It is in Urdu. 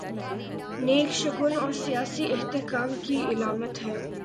نیک شگون اور سیاسی استحکام کی علامت ہے۔